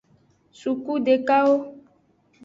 Suku dekawo.